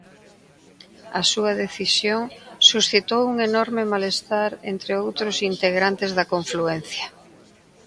A súa decisión suscitou un enorme malestar entre outros integrantes da confluencia.